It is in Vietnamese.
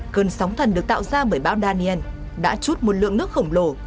cơn sóng thần được tạo ra bởi bão daniel đã chút một lượng nước khổng lồ